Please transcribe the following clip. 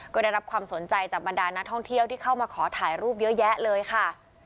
ก็ได้รับความสนใจจากบรรดานักท่องเที่ยวที่เข้ามาขอถ่ายรูปเยอะแยะเลยค่ะ